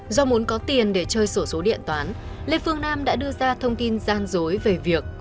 do muốn có tiền để chơi sổ số điện toán lê phương nam đã đưa ra thông tin gian dối về việc